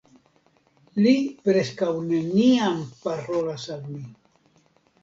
Li preskaŭ neniam parolas al mi.